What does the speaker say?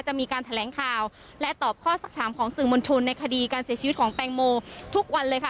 จะมีการแถลงข่าวและตอบข้อสักถามของสื่อมวลชนในคดีการเสียชีวิตของแตงโมทุกวันเลยค่ะ